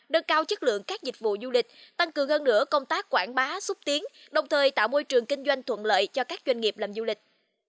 đơn cao chất lượng các dịch vụ du lịch tăng cường hơn nữa công tác quảng bá xúc tiến đồng thời tạo môi trường kinh doanh thuận lợi cho các doanh nghiệp làm du lịch